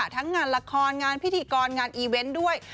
ทั้งงานละครงานพิธีกรงานอีเวนต์ด้วย